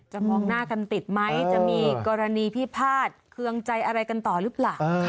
มองหน้ากันติดไหมจะมีกรณีพิพาทเคืองใจอะไรกันต่อหรือเปล่า